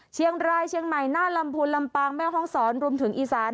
เชียงรายเชียงใหม่หน้าลำพูนลำปางแม่ห้องศรรวมถึงอีสาน